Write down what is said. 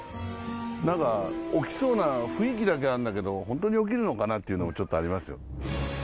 なんか起きそうな雰囲気だけあるんだけど本当に起きるのかなっていうのもちょっとありますよ。